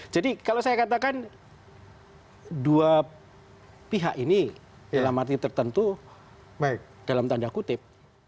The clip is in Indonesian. jadi kalau saya katakan dua pihak ini dalam arti tertentu dalam tanda kutip